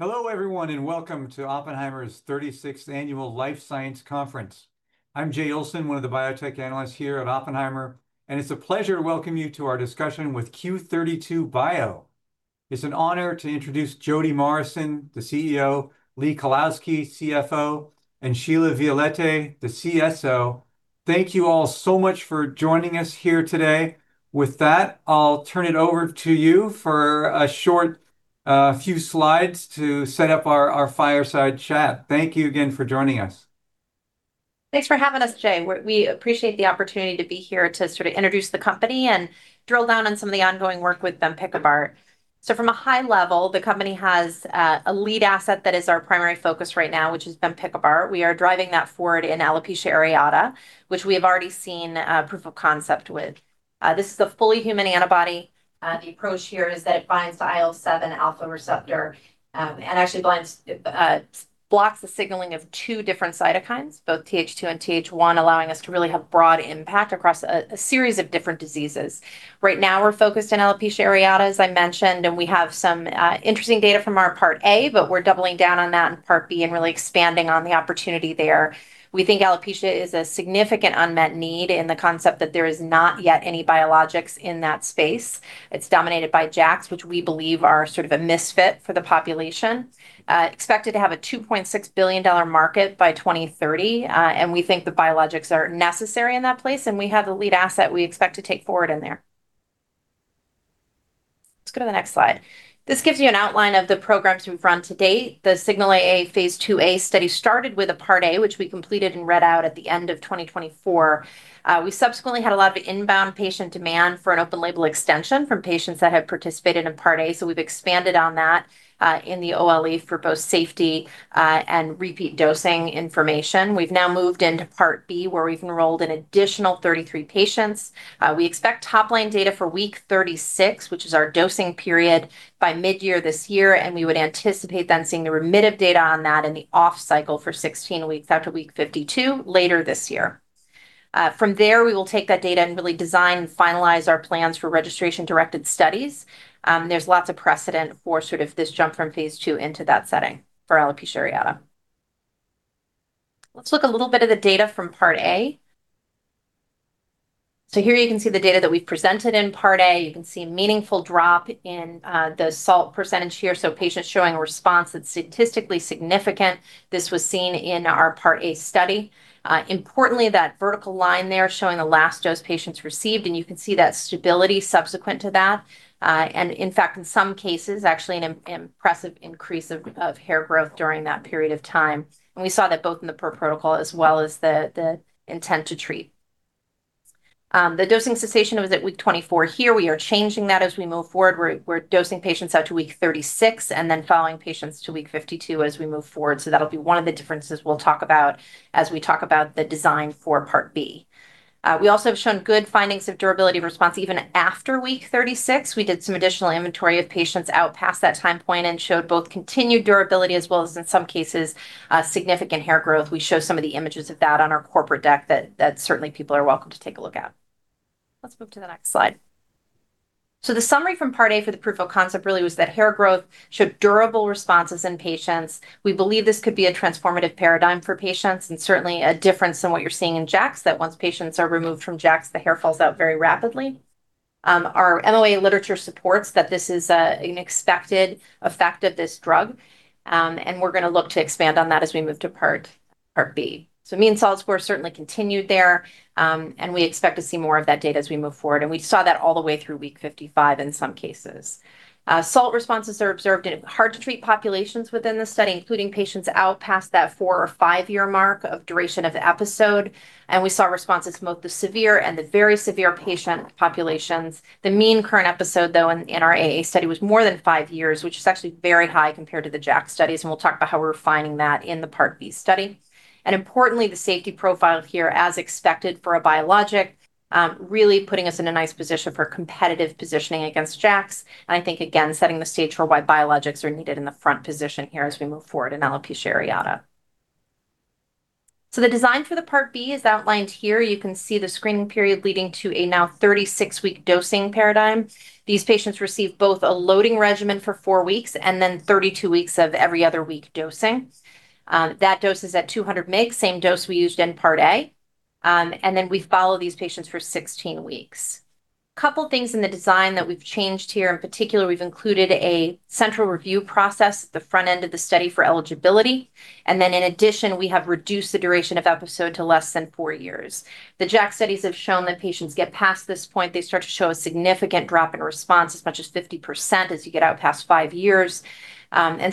Hello, everyone. Welcome to Oppenheimer's 36th Annual Life Science Conference. I'm Jay Olson, one of the biotech analysts here at Oppenheimer, and it's a pleasure to welcome you to our discussion with Q32 Bio. It's an honor to introduce Jodie Morrison, the CEO, Lee Kalowski, CFO, and Shelia Violette, the CSO. Thank you all so much for joining us here today. With that, I'll turn it over to you for a short, few slides to set up our fireside chat. Thank you again for joining us. Thanks for having us, Jay. We appreciate the opportunity to be here to sort of introduce the company and drill down on some of the ongoing work with bempikibart. From a high level, the company has a lead asset that is our primary focus right now, which is bempikibart. We are driving that forward in alopecia areata, which we have already seen proof of concept with. This is a fully human antibody. The approach here is that it binds to IL-7 alpha receptor, and actually blocks the signaling of two different cytokines, both Th2 and Th1, allowing us to really have broad impact across a series of different diseases. Right now, we're focused on alopecia areata, as I mentioned, and we have some interesting data from our Part A, but we're doubling down on that in Part B and really expanding on the opportunity there. We think alopecia is a significant unmet need, in the concept that there is not yet any biologics in that space. It's dominated by JAKs, which we believe are sort of a misfit for the population. Expected to have a $2.6 billion market by 2030, and we think the biologics are necessary in that place, and we have a lead asset we expect to take forward in there. Let's go to the next slide. This gives you an outline of the programs we've run to date. The SIGNAL-AA phase IIa study started with a Part A, which we completed and read out at the end of 2024. We subsequently had a lot of inbound patient demand for an open-label extension from patients that had participated in Part A. We've expanded on that in the OLE for both safety and repeat dosing information. We've now moved into Part B, where we've enrolled an additional 33 patients. We expect top-line data for week 36, which is our dosing period, by midyear this year. We would anticipate then seeing the remittive data on that in the off-cycle for 16 weeks, out to week 52, later this year. From there, we will take that data and really design and finalize our plans for registration-directed studies. There's lots of precedent for sort of this jump from phase II into that setting for alopecia areata. Let's look a little bit at the data from Part A. Here you can see the data that we've presented in Part A. You can see a meaningful drop in the SALT percentage here, so patients showing a response that's statistically significant. This was seen in our Part A study. Importantly, that vertical line there showing the last dose patients received, and you can see that stability subsequent to that, and in fact, in some cases, actually an impressive increase of hair growth during that period of time, and we saw that both in the per protocol as well as the intent to treat. The dosing cessation was at week 24. Here we are changing that as we move forward. We're dosing patients out to week 36, and then following patients to week 52 as we move forward, so that'll be one of the differences we'll talk about as we talk about the design for Part B. We also have shown good findings of durability response even after week 36. We did some additional inventory of patients out past that time point and showed both continued durability, as well as in some cases, significant hair growth. We show some of the images of that on our corporate deck that certainly people are welcome to take a look at. Let's move to the next slide. The summary from Part A for the proof of concept really was that hair growth showed durable responses in patients. We believe this could be a transformative paradigm for patients, certainly a difference in what you're seeing in JAKs, that once patients are removed from JAKs, the hair falls out very rapidly. Our MOA literature supports that this is an expected effect of this drug, and we're gonna look to expand on that as we move to Part B. Mean SALT score certainly continued there, and we expect to see more of that data as we move forward, and we saw that all the way through week 55 in some cases. SALT responses are observed in hard-to-treat populations within the study, including patients out past that 4- or 5-year mark of duration of episode, and we saw responses in both the severe and the very severe patient populations. The mean current episode, though, in our AA study was more than five years, which is actually very high compared to the JAK studies, and we'll talk about how we're refining that in the Part B study. Importantly, the safety profile here, as expected for a biologic, really putting us in a nice position for competitive positioning against JAKs, and I think, again, setting the stage for why biologics are needed in the front position here as we move forward in alopecia areata. The design for the Part B is outlined here. You can see the screening period leading to a now 36-week dosing paradigm. These patients receive both a loading regimen for four weeks, and then 32 weeks of every other week dosing. That dose is at 200 mg, same dose we used in Part A, then we follow these patients for 16 weeks. Couple things in the design that we've changed here. In particular, we've included a central review process at the front end of the study for eligibility, then in addition, we have reduced the duration of episode to less than four years. The JAK studies have shown that patients get past this point, they start to show a significant drop in response, as much as 50% as you get out past five years.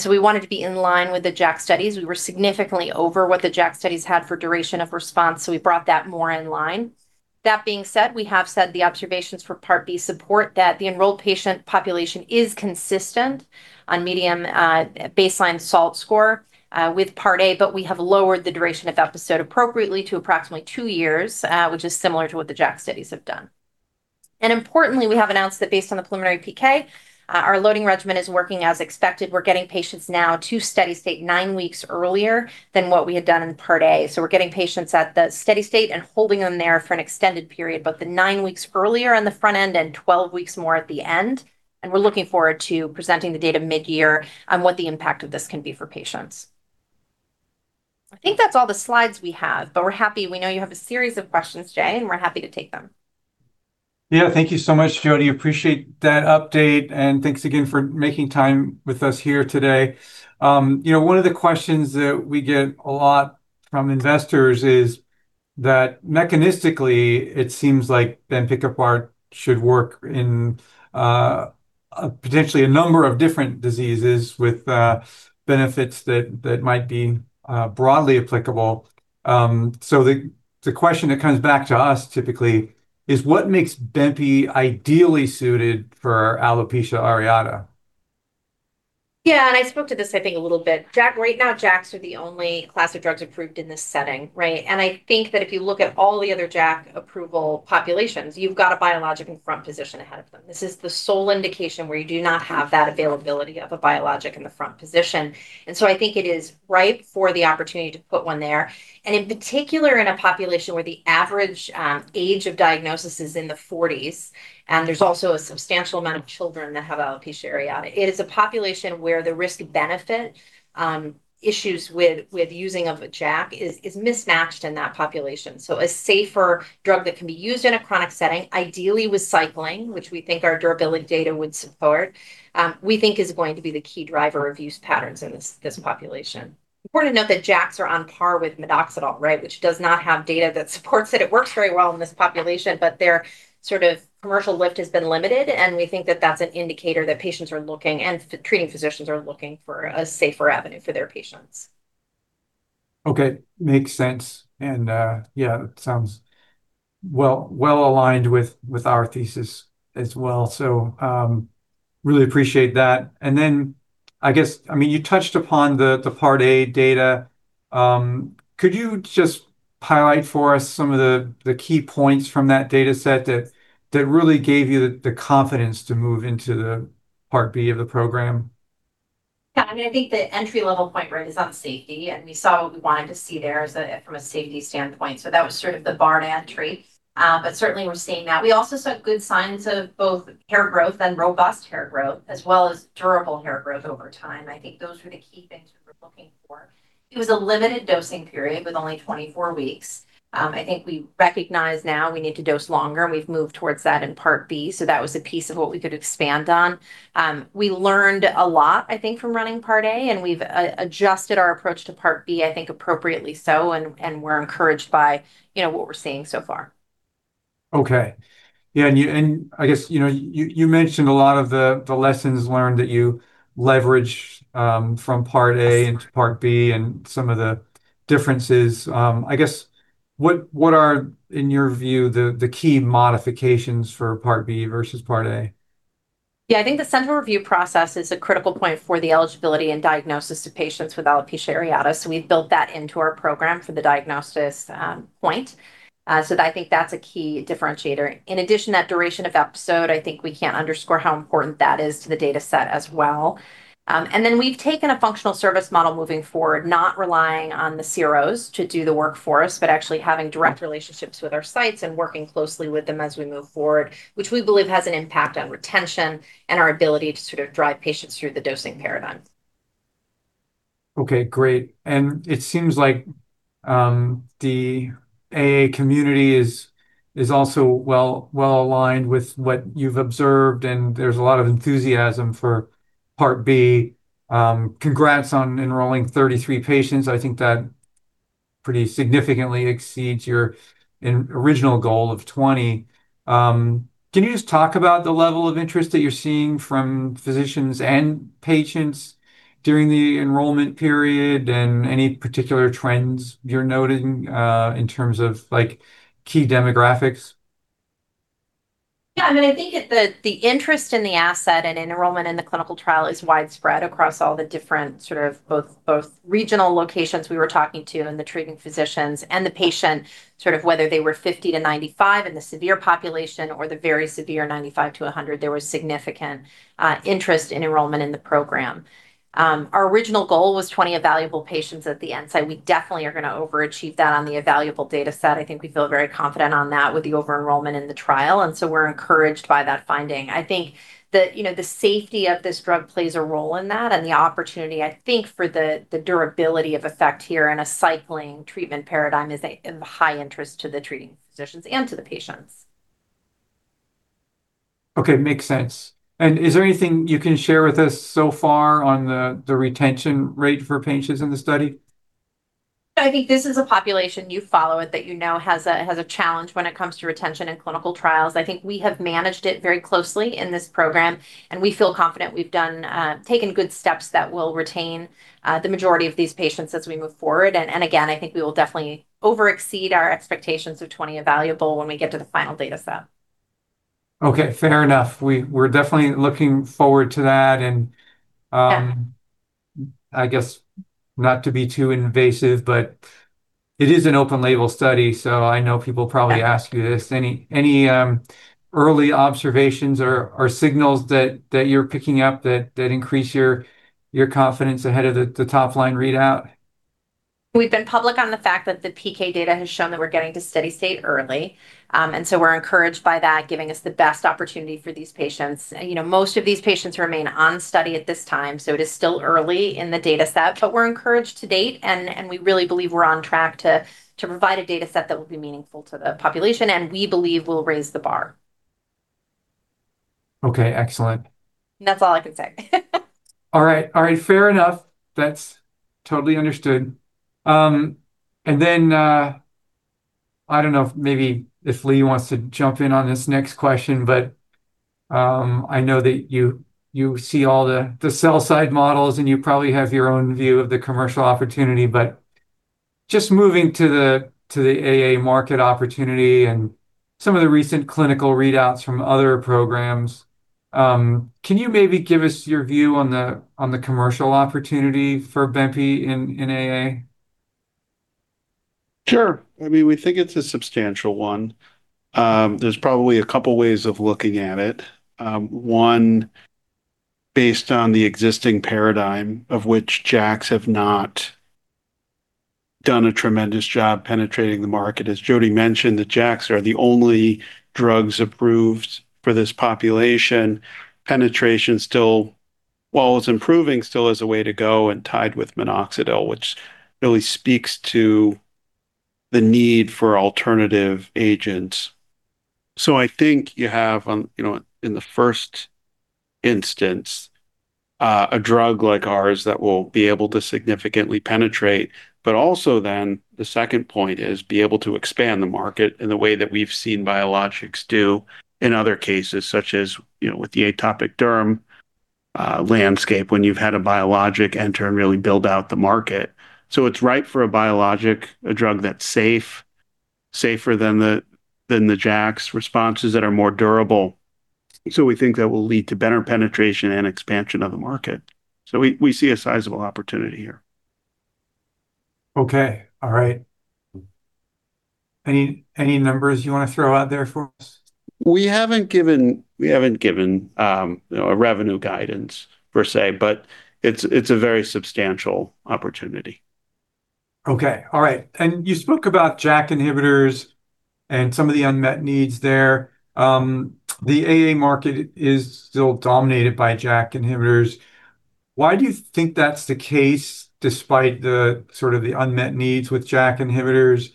We wanted to be in line with the JAK studies. We were significantly over what the JAK studies had for duration of response, we brought that more in line. That being said, we have said the observations for Part B support that the enrolled patient population is consistent on medium baseline SALT score with Part A. We have lowered the duration of episode appropriately to approximately two years, which is similar to what the JAK studies have done. Importantly, we have announced that based on the preliminary PK, our loading regimen is working as expected. We're getting patients now to steady state nine weeks earlier than what we had done in Part A. We're getting patients at the steady state and holding them there for an extended period, both the nine weeks earlier on the front end and 12 weeks more at the end, and we're looking forward to presenting the data mid-year on what the impact of this can be for patients. I think that's all the slides we have, but we're happy. We know you have a series of questions, Jay, and we're happy to take them. Yeah, thank you so much, Jodie. Appreciate that update, and thanks again for making time with us here today. You know, one of the questions that we get a lot from investors is that mechanistically, it seems like bempikibart should work in a potentially a number of different diseases with benefits that might be broadly applicable. The question that comes back to us typically is, what makes benpi ideally suited for alopecia areata? Yeah, I spoke to this, I think, a little bit. JAK, right now, JAKs are the only class of drugs approved in this setting, right? I think that if you look at all the other JAK approval populations, you've got a biologic in front position ahead of them. This is the sole indication where you do not have that availability of a biologic in the front position, so I think it is ripe for the opportunity to put one there. In particular, in a population where the average age of diagnosis is in the forties, and there's also a substantial amount of children that have alopecia areata, it is a population where the risk-benefit issues with using of a JAK is mismatched in that population. A safer drug that can be used in a chronic setting, ideally with cycling, which we think our durability data would support, we think is going to be the key driver of use patterns in this population. Important to note that JAKs are on par with minoxidil, right? Which does not have data that supports that it works very well in this population, but their sort of commercial lift has been limited, and we think that that's an indicator that patients are looking, and treating physicians are looking for a safer avenue for their patients. Okay, makes sense. Yeah, it sounds well-aligned with our thesis as well. Really appreciate that. I guess, I mean, you touched upon the Part A data. Could you just highlight for us some of the key points from that data set that really gave you the confidence to move into the Part B of the program? Yeah, I mean, I think the entry-level point, right, is on safety, and we saw what we wanted to see there from a safety standpoint, so that was sort of the bar to entry. Certainly, we're seeing that. We also saw good signs of both hair growth and robust hair growth, as well as durable hair growth over time. I think those were the key things we were looking for. It was a limited dosing period with only 24 weeks. I think we recognize now we need to dose longer, and we've moved towards that in Part B, so that was a piece of what we could expand on. We learned a lot, I think, from running Part A, and we've adjusted our approach to Part B, I think, appropriately so, and we're encouraged by, you know, what we're seeing so far. Okay. Yeah, I guess, you know, you mentioned a lot of the lessons learned that you leveraged from Part A into Part B and some of the differences. I guess, what are, in your view, the key modifications for Part B versus Part A? Yeah, I think the central review process is a critical point for the eligibility and diagnosis of patients with alopecia areata, so we've built that into our program for the diagnosis, point. I think that's a key differentiator. In addition, that duration of episode, I think we can't underscore how important that is to the data set as well. Then we've taken a functional service model moving forward, not relying on the CROs to do the work for us, but actually having direct relationships with our sites and working closely with them as we move forward, which we believe has an impact on retention and our ability to sort of drive patients through the dosing paradigm. Okay, great. It seems like the AA community is also well-aligned with what you've observed, and there's a lot of enthusiasm for Part B. Congrats on enrolling 33 patients. I think that pretty significantly exceeds your original goal of 20. Can you just talk about the level of interest that you're seeing from physicians and patients during the enrollment period, and any particular trends you're noting, in terms of, like, key demographics? Yeah, I mean, I think the interest in the asset and enrollment in the clinical trial is widespread across all the different sort of both regional locations we were talking to, and the treating physicians, and the patient, sort of whether they were 50-95 in the severe population or the very severe, 95-100, there was significant interest in enrollment in the program. Our original goal was 20 evaluable patients at the end. We definitely are gonna overachieve that on the evaluable data set. I think we feel very confident on that with the over-enrollment in the trial, we're encouraged by that finding. I think that, you know, the safety of this drug plays a role in that, and the opportunity, I think, for the durability of effect here in a cycling treatment paradigm is of high interest to the treating physicians and to the patients. Okay, makes sense. Is there anything you can share with us so far on the retention rate for patients in the study? I think this is a population you follow with, that you know has a challenge when it comes to retention in clinical trials. I think we have managed it very closely in this program, and we feel confident we've done taken good steps that will retain the majority of these patients as we move forward. Again, I think we will definitely over exceed our expectations of 20 evaluable when we get to the final data set. Okay, fair enough. We're definitely looking forward to that. Yeah... I guess, not to be too invasive, but it is an open-label study, so I know people probably- Yeah -ask you this. Any early observations or signals that you're picking up that increase your confidence ahead of the top-line readout? We've been public on the fact that the PK data has shown that we're getting to steady state early. We're encouraged by that, giving us the best opportunity for these patients. You know, most of these patients remain on study at this time, so it is still early in the data set, but we're encouraged to date, and we really believe we're on track to provide a data set that will be meaningful to the population, and we believe will raise the bar. Okay, excellent. That's all I can say. All right. All right, fair enough. That's totally understood. I don't know if maybe if Lee wants to jump in on this next question, but I know that you see all the sell side models, and you probably have your own view of the commercial opportunity. Moving to the, to the AA market opportunity and some of the recent clinical readouts from other programs, can you maybe give us your view on the, on the commercial opportunity for bempie in AA? Sure. I mean, we think it's a substantial one. There's probably a couple of ways of looking at it. One, based on the existing paradigm, of which JAKs have not done a tremendous job penetrating the market. As Jodie mentioned, the JAKs are the only drugs approved for this population. Penetration still, while it's improving, still has a way to go, and tied with minoxidil, which really speaks to the need for alternative agents. I think you have, you know, in the first instance, a drug like ours that will be able to significantly penetrate, but also then, the second point is be able to expand the market in the way that we've seen biologics do in other cases, such as, you know, with the atopic derm landscape, when you've had a biologic enter and really build out the market. It's ripe for a biologic, a drug that's safe, safer than the JAKs. Responses that are more durable. We think that will lead to better penetration and expansion of the market. We see a sizable opportunity here. Okay. All right. Any numbers you want to throw out there for us? We haven't given, you know, a revenue guidance per se, but it's a very substantial opportunity. Okay. All right. You spoke about JAK inhibitors and some of the unmet needs there. The AA market is still dominated by JAK inhibitors. Why do you think that's the case, despite the sort of the unmet needs with JAK inhibitors?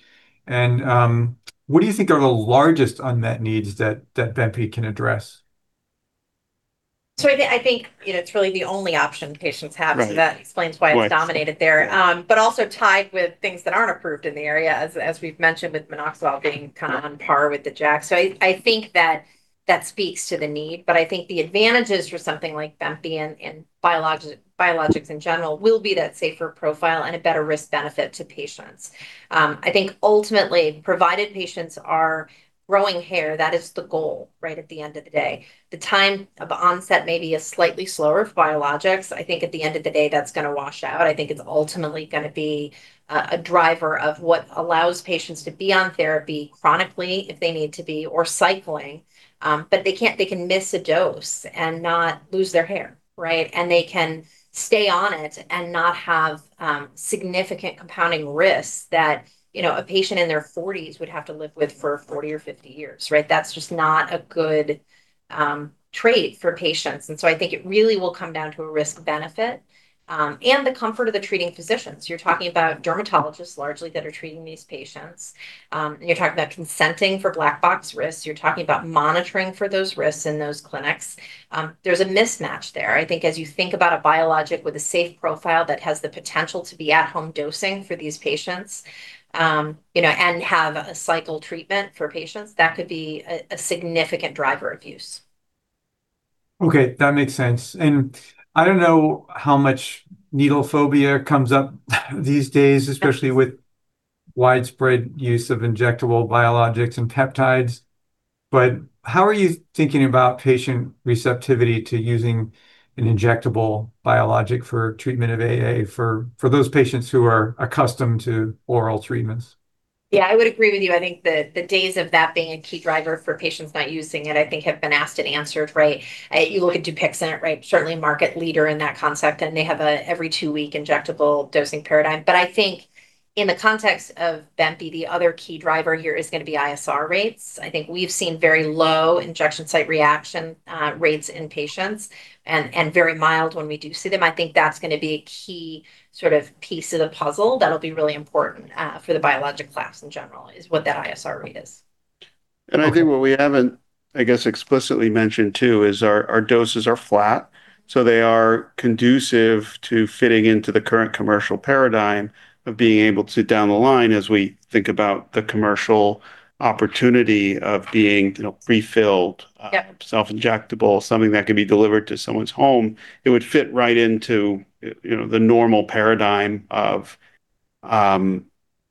What do you think are the largest unmet needs that bempie can address? I think, you know, it's really the only option patients have. Right. That explains. Right... it's dominated there. But also tied with things that aren't approved in the area, as we've mentioned, with minoxidil being on par with the JAK. I think that that speaks to the need, but I think the advantages for something like bempie and biologics in general, will be that safer profile and a better risk-benefit to patients. I think ultimately, provided patients are growing hair, that is the goal, right, at the end of the day. The time of onset may be a slightly slower for biologics. I think at the end of the day, that's going to wash out. I think it's ultimately going to be a driver of what allows patients to be on therapy chronically, if they need to be, or cycling. They can miss a dose and not lose their hair, right? They can stay on it and not have significant compounding risks that, you know, a patient in their 40s would have to live with for 40 or 50 years, right? That's just not a good trait for patients. I think it really will come down to a risk-benefit and the comfort of the treating physicians. You're talking about dermatologists, largely, that are treating these patients. You're talking about consenting for black box risks. You're talking about monitoring for those risks in those clinics. There's a mismatch there. I think as you think about a biologic with a safe profile that has the potential to be at-home dosing for these patients, you know, and have a cycle treatment for patients, that could be a significant driver of use. Okay, that makes sense. I don't know how much needle phobia comes up these days- Yes... especially with widespread use of injectable biologics and peptides, but how are you thinking about patient receptivity to using an injectable biologic for treatment of AA for those patients who are accustomed to oral treatments? Yeah, I would agree with you. I think the days of that being a key driver for patients not using it, I think have been asked and answered, right? You look at Dupixent, right? Certainly market leader in that concept, and they have a every two-week injectable dosing paradigm. I think in the context of bempie, the other key driver here is going to be ISR rates. I think we've seen very low injection site reaction rates in patients and very mild when we do see them. I think that's going to be a key sort of piece of the puzzle that'll be really important for the biologic class in general, is what that ISR rate is. Okay. I think what we haven't, I guess, explicitly mentioned, too, is our doses are flat, so they are conducive to fitting into the current commercial paradigm of being able to, down the line, as we think about the commercial opportunity of being, you know, prefilled. Yep... self-injectable, something that can be delivered to someone's home. It would fit right into, you know, the normal paradigm of an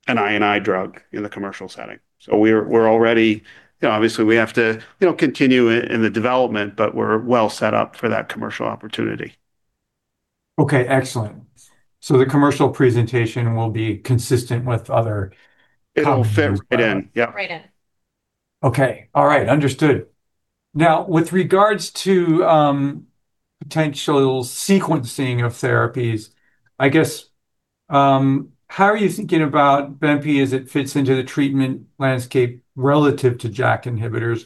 I&I drug in the commercial setting. We're already You know, obviously, we have to, you know, continue in the development, but we're well set up for that commercial opportunity. Okay, excellent. The commercial presentation will be consistent with other- It'll fit right in. Yep. Right in.... Okay. All right, understood. Now, with regards to, potential sequencing of therapies, I guess, how are you thinking about bempikibart as it fits into the treatment landscape relative to JAK inhibitors?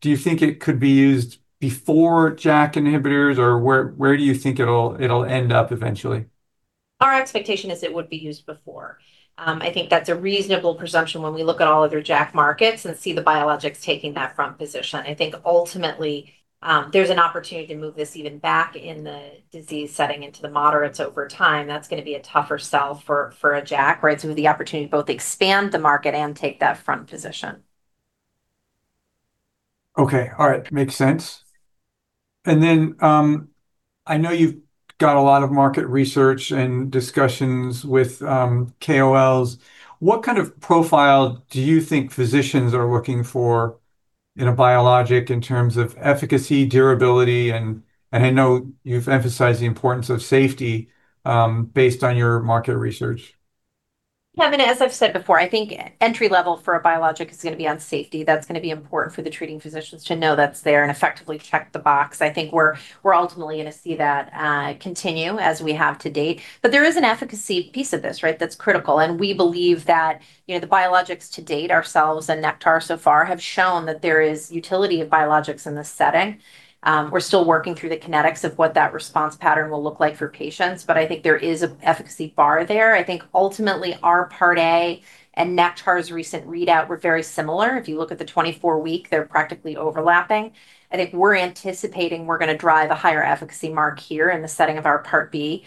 Do you think it could be used before JAK inhibitors, or where do you think it'll end up eventually? Our expectation is it would be used before. I think that's a reasonable presumption when we look at all other JAK markets and see the biologics taking that front position. I think ultimately, there's an opportunity to move this even back in the disease setting into the moderates over time. That's gonna be a tougher sell for a JAK, right? The opportunity to both expand the market and take that front position. Okay. All right. Makes sense. I know you've got a lot of market research and discussions with KOLs. What kind of profile do you think physicians are looking for in a biologic in terms of efficacy, durability? I know you've emphasized the importance of safety, based on your market research. Yeah, I mean, as I've said before, I think entry level for a biologic is gonna be on safety. That's gonna be important for the treating physicians to know that's there and effectively check the box. I think we're ultimately gonna see that continue as we have to date. There is an efficacy piece of this, right? That's critical. We believe that, you know, the biologics to date, ourselves and Nektar so far, have shown that there is utility of biologics in this setting. We're still working through the kinetics of what that response pattern will look like for patients. I think there is a efficacy bar there. I think ultimately, our Part A and Nektar's recent readout were very similar. If you look at the 24-week, they're practically overlapping. I think we're anticipating we're gonna drive a higher efficacy mark here in the setting of our Part B.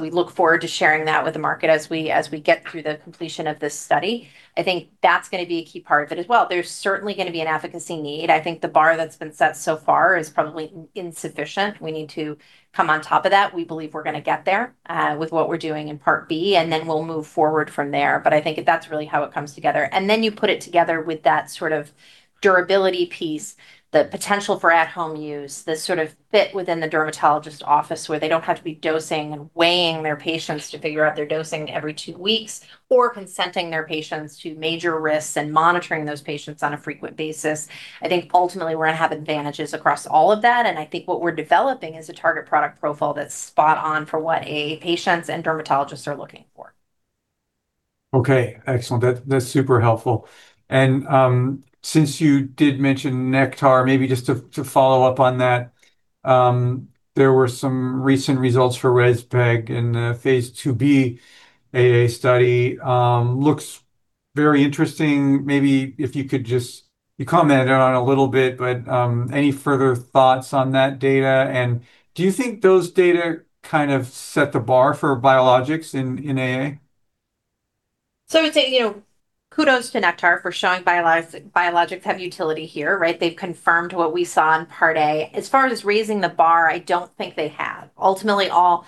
We look forward to sharing that with the market as we, as we get through the completion of this study. I think that's gonna be a key part of it as well. There's certainly gonna be an efficacy need. I think the bar that's been set so far is probably insufficient. We need to come on top of that. We believe we're gonna get there with what we're doing in Part B, and then we'll move forward from there, but I think that's really how it comes together. You put it together with that sort of durability piece, the potential for at-home use, the sort of fit within the dermatologist office, where they don't have to be dosing and weighing their patients to figure out their dosing every two weeks, or consenting their patients to major risks and monitoring those patients on a frequent basis. I think ultimately, we're gonna have advantages across all of that, and I think what we're developing is a target product profile that's spot on for what a patients and dermatologists are looking for. Okay, excellent. That's super helpful. Since you did mention Nektar, maybe just to follow up on that, there were some recent results for rezpeg in the phase IIb AA study. Looks very interesting. You commented on it a little bit, but any further thoughts on that data, and do you think those data kind of set the bar for biologics in AA? I would say, you know, kudos to Nektar for showing biologics have utility here, right? They've confirmed what we saw in Part A. As far as raising the bar, I don't think they have. Ultimately, all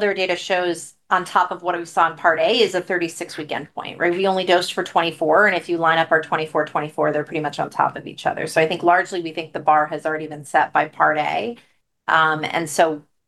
their data shows on top of what we saw in Part A is a 36-week endpoint, right? We only dosed for 24, and if you line up our 24, they're pretty much on top of each other. I think largely, we think the bar has already been set by Part A.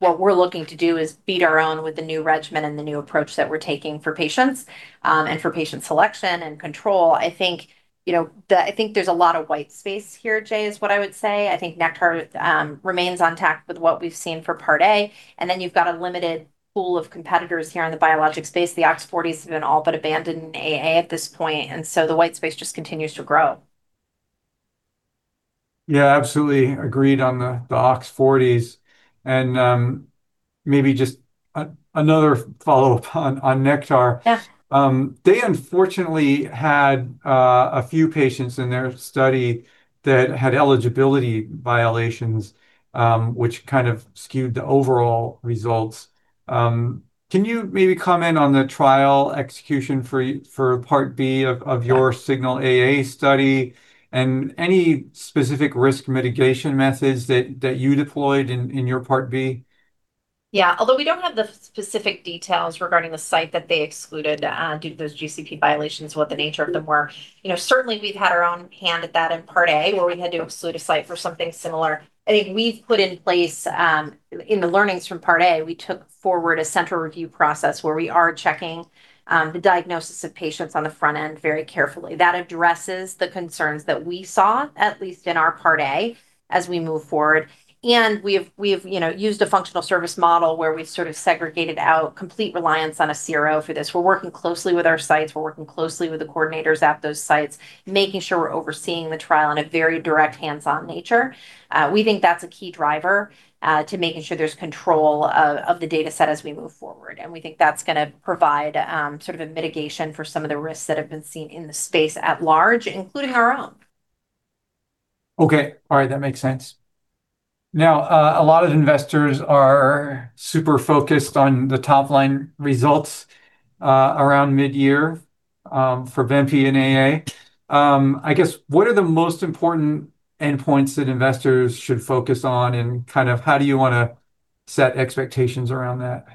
What we're looking to do is beat our own with the new regimen and the new approach that we're taking for patients, and for patient selection and control. I think, you know, I think there's a lot of white space here, Jay, is what I would say. I think Nektar remains on track with what we've seen for Part A, and then you've got a limited pool of competitors here in the biologic space. The OX40s have been all but abandoned in AA at this point, and so the white space just continues to grow. Yeah, absolutely agreed on the OX40s. Maybe just another follow-up on Nektar. Yeah. They unfortunately had a few patients in their study that had eligibility violations, which kind of skewed the overall results. Can you maybe comment on the trial execution for Part B of your SIGNAL-AA study and any specific risk mitigation methods that you deployed in your Part B? Yeah. Although we don't have the specific details regarding the site that they excluded, due to those GCP violations, what the nature of them were. You know, certainly, we've had our own hand at that in Part A, where we had to exclude a site for something similar. I think we've put in place, in the learnings from Part A, we took forward a central review process where we are checking, the diagnosis of patients on the front end very carefully. That addresses the concerns that we saw, at least in our Part A, as we move forward. We've, you know, used a functional service model where we've sort of segregated out complete reliance on a CRO for this. We're working closely with our sites, we're working closely with the coordinators at those sites, making sure we're overseeing the trial in a very direct, hands-on nature. We think that's a key driver to making sure there's control of the data set as we move forward, and we think that's gonna provide sort of a mitigation for some of the risks that have been seen in the space at large, including our own. Okay. All right, that makes sense. A lot of investors are super focused on the top-line results, around midyear, for bempi and AA. I guess, what are the most important endpoints that investors should focus on, and kind of how do you want to set expectations around that?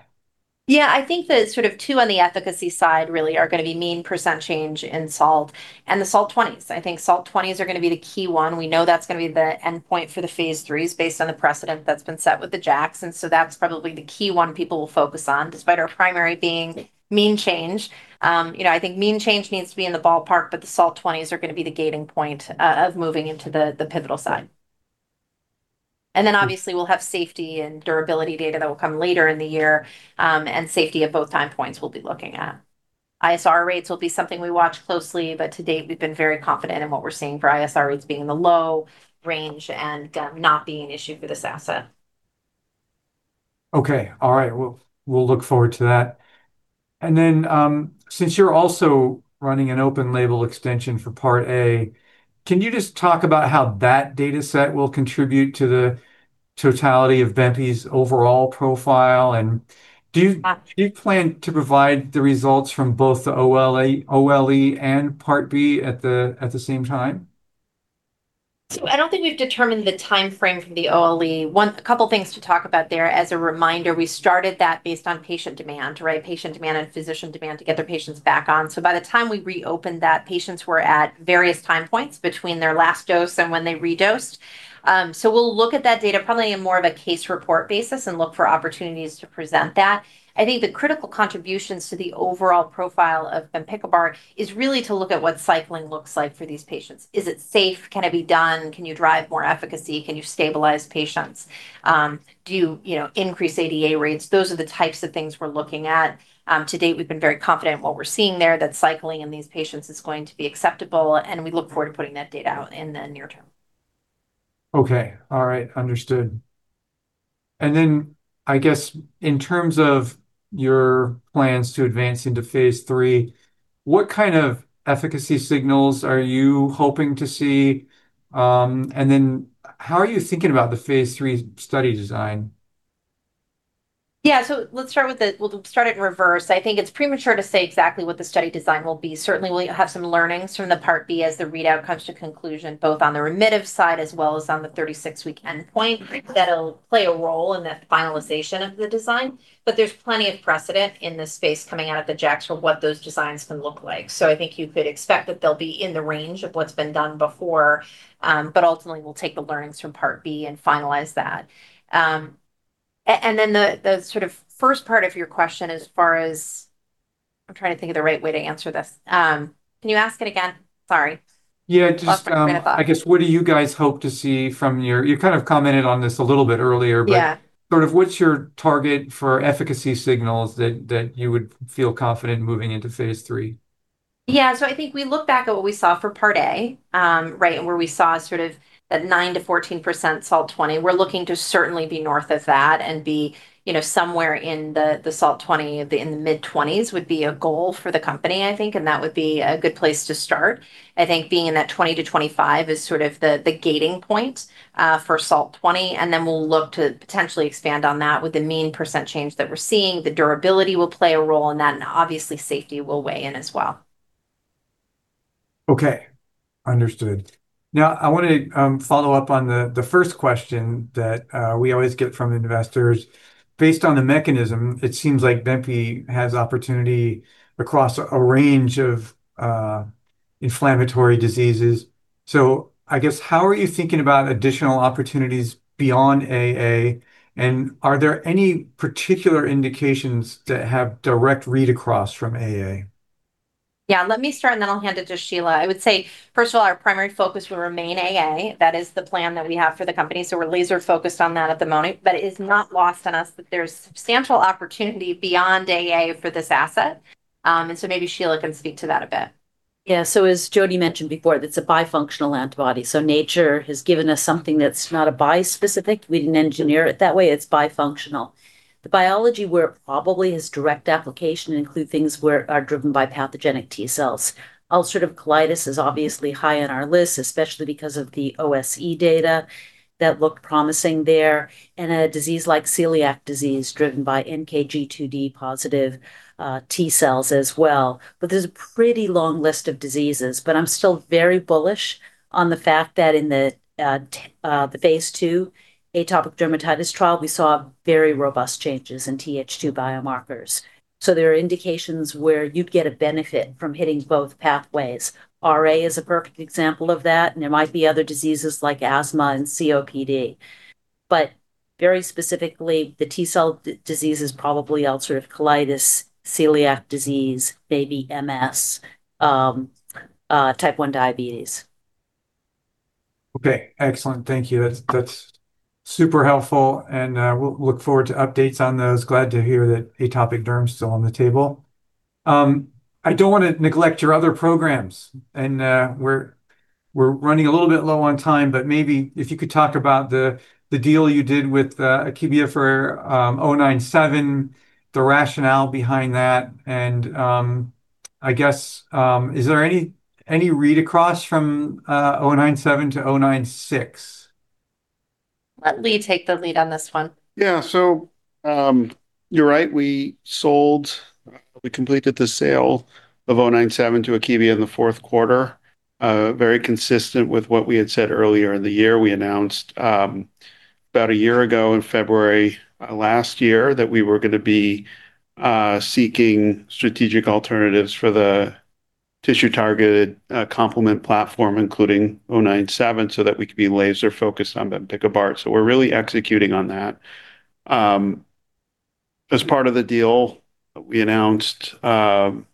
Yeah, I think the sort of two on the efficacy side really are gonna be mean % change in SALT and the SALT 20s. I think SALT 20s are gonna be the key one. We know that's gonna be the endpoint for the phase IIIs based on the precedent that's been set with the JAKs, and so that's probably the key one people will focus on, despite our primary being mean change. You know, I think mean change needs to be in the ballpark, but the SALT 20s are gonna be the gating point of moving into the pivotal side. Obviously, we'll have safety and durability data that will come later in the year, and safety at both time points we'll be looking at. ISR rates will be something we watch closely, but to date, we've been very confident in what we're seeing for ISR rates being in the low range and not being an issue for this asset. Okay. All right, well, we'll look forward to that. Since you're also running an open label extension for Part A, can you just talk about how that data set will contribute to the totality of benpi's overall profile? Uh... do you plan to provide the results from both the OLE and Part B at the same time? I don't think we've determined the time frame for the OLE. Couple things to talk about there. As a reminder, we started that based on patient demand, right? Patient demand and physician demand to get their patients back on. We'll look at that data probably in more of a case report basis and look for opportunities to present that. I think the critical contributions to the overall profile of bempikibart is really to look at what cycling looks like for these patients. Is it safe? Can it be done? Can you drive more efficacy? Can you stabilize patients? Do you know, increase ADA rates? Those are the types of things we're looking at. To date, we've been very confident in what we're seeing there, that cycling in these patients is going to be acceptable. We look forward to putting that data out in the near term. Okay. All right. Understood. I guess, in terms of your plans to advance into phase III, what kind of efficacy signals are you hoping to see? How are you thinking about the phase III study design? We'll start it in reverse. I think it's premature to say exactly what the study design will be. Certainly, we'll have some learnings from the Part B as the readout comes to conclusion, both on the remittive side as well as on the 36-week endpoint. That'll play a role in the finalization of the design, but there's plenty of precedent in this space coming out of the JAKs for what those designs can look like. I think you could expect that they'll be in the range of what's been done before, but ultimately, we'll take the learnings from Part B and finalize that. The sort of first part of your question. I'm trying to think of the right way to answer this. Can you ask it again? Sorry. Yeah. I lost my train of thought.... I guess, what do you guys hope to see from you kind of commented on this a little bit earlier, but? Yeah... sort of what's your target for efficacy signals that you would feel confident moving into phase III? I think we look back at what we saw for Part A, right? Where we saw sort of that 9%-14% SALT 20. We're looking to certainly be north of that and be, you know, somewhere in the SALT 20, in the mid-20s would be a goal for the company, I think. That would be a good place to start. I think being in that 20-25 is sort of the gating point for SALT 20. We'll look to potentially expand on that with the mean percent change that we're seeing. The durability will play a role in that. Obviously, safety will weigh in as well. Understood. I wanted to follow up on the first question that we always get from investors. Based on the mechanism, it seems like benpi has opportunity across a range of inflammatory diseases. I guess, how are you thinking about additional opportunities beyond AA, and are there any particular indications that have direct read-across from AA? Let me start, and then I'll hand it to Shelia. I would say, first of all, our primary focus will remain AA. That is the plan that we have for the company, so we're laser-focused on that at the moment. It is not lost on us that there's substantial opportunity beyond AA for this asset. Maybe Shelia can speak to that a bit. As Jodie mentioned before, it's a bifunctional antibody, so nature has given us something that's not a bispecific. We didn't engineer it that way. It's bifunctional. The biology where it probably has direct application include things where are driven by pathogenic T cells. ulcerative colitis is obviously high on our list, especially because of the OSE data that looked promising there, and a disease like celiac disease, driven by NKG2D-positive T cells as well. There's a pretty long list of diseases, but I'm still very bullish on the fact that in the phase II atopic dermatitis trial, we saw very robust changes in Th2 biomarkers. There are indications where you'd get a benefit from hitting both pathways. RA is a perfect example of that. There might be other diseases like asthma and COPD. Very specifically, the T-cell disease is probably ulcerative colitis, celiac disease, maybe MS, Type 1 diabetes. Okay, excellent. Thank you. That's super helpful. We'll look forward to updates on those. Glad to hear that atopic derm's still on the table. I don't want to neglect your other programs. We're running a little bit low on time. Maybe if you could talk about the deal you did with Akebia for 097, the rationale behind that. I guess, is there any read-across from 097 to 096? Let Lee take the lead on this one. You're right. We completed the sale of ADX-097 to Akebia in the fourth quarter, very consistent with what we had said earlier in the year. We announced about a year ago, in February last year, that we were gonna be seeking strategic alternatives for the tissue-targeted complement platform, including ADX-097, so that we could be laser-focused on bempikibart. We're really executing on that. As part of the deal, we announced $12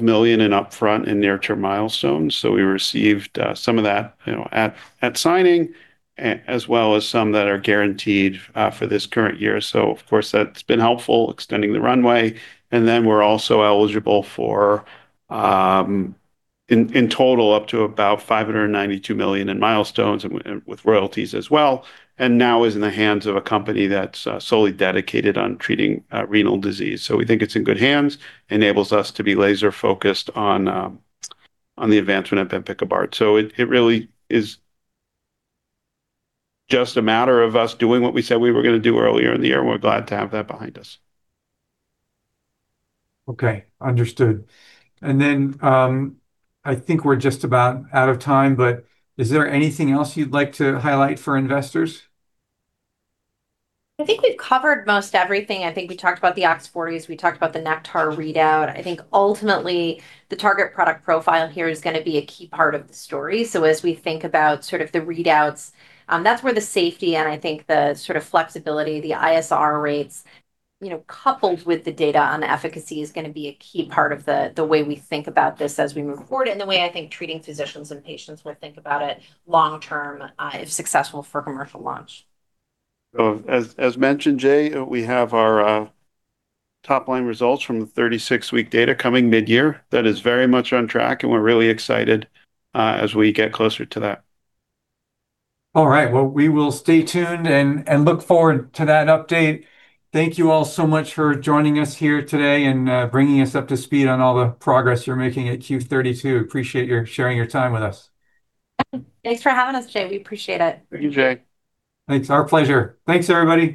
million in upfront and near-term milestones. We received some of that, you know, at signing as well as some that are guaranteed for this current year. Of course, that's been helpful, extending the runway. Then we're also eligible for, in total, up to about $592 million in milestones and with royalties as well. Now is in the hands of a company that's solely dedicated on treating renal disease. We think it's in good hands, enables us to be laser focused on the advancement of bempikibart. It really is just a matter of us doing what we said we were gonna do earlier in the year. We're glad to have that behind us. Okay, understood. I think we're just about out of time, but is there anything else you'd like to highlight for investors? I think we've covered most everything. I think we talked about the OX40, we talked about the Nektar readout. I think ultimately, the target product profile here is gonna be a key part of the story. As we think about sort of the readouts, that's where the safety and I think the sort of flexibility, the ISR rates, you know, coupled with the data on efficacy, is gonna be a key part of the way we think about this as we move forward and the way I think treating physicians and patients will think about it long-term, if successful for commercial launch. As, as mentioned, Jay, we have our top-line results from the 36-week data coming midyear. That is very much on track, and we're really excited as we get closer to that. All right, well, we will stay tuned and look forward to that update. Thank you all so much for joining us here today, bringing us up to speed on all the progress you're making at Q32. Appreciate your sharing your time with us. Thanks for having us, Jay. We appreciate it. Thank you, Jay. It's our pleasure. Thanks, everybody!